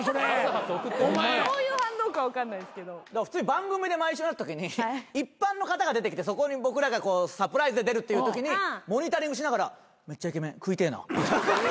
番組で前一緒になったときに一般の方が出てきてそこに僕らがサプライズで出るっていうときにモニタリングしながら「めっちゃイケメン食いてえな」